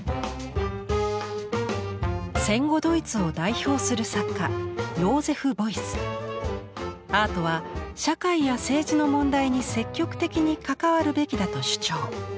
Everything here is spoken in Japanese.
戦後ドイツを代表する作家アートは社会や政治の問題に積極的に関わるべきだと主張。